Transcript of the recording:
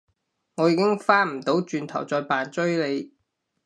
我已經返唔到轉頭再扮追你